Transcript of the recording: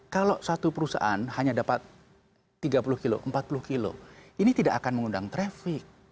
kalau satu perusahaan hanya dapat tiga puluh kilo empat puluh kilo ini tidak akan mengundang traffic